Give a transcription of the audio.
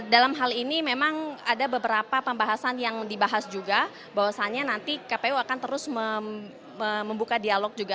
dalam hal ini memang ada beberapa pembahasan yang dibahas juga bahwasannya nanti kpu akan terus membuka dialog juga